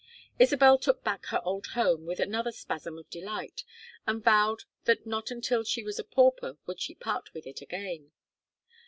Isabel took back her old home with another spasm of delight, and vowed that not until she was a pauper would she part with it again.